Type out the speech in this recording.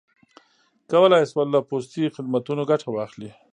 کولای یې شول له پوستي خدمتونو ګټه واخلي.